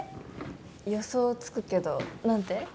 予想つくけど何て？